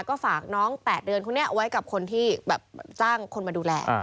ก็ฝากน้อง๘เดือนคนนี้ไว้กับคนที่แบบจ้างคนมาดูแล